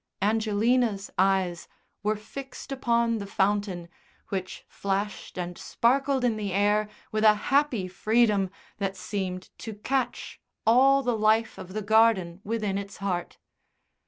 Angelina's eyes were fixed upon the fountain, which flashed and sparkled in the air with a happy freedom that seemed to catch all the life of the garden within its heart.